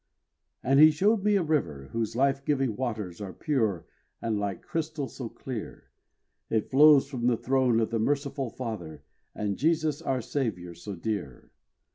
And He showed me a River, whose life giving waters Are pure and like crystal so clear. It flows from the throne of the merciful Father, And Jesus our Saviour so dear.